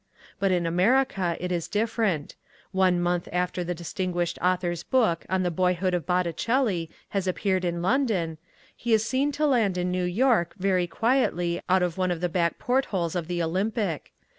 But in America it is different. One month after the distinguished author's book on The Boyhood of Botticelli has appeared in London, he is seen to land in New York very quietly out of one of the back portholes of the Olympic.